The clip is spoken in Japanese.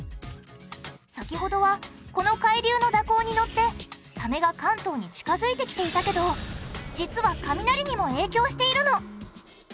先ほどはこの海流の蛇行にのってサメが関東に近づいてきていたけど実は雷にも影響しているの。